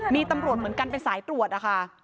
มีตำรวจเหมือนกันเป็นสายตรวจนะคะ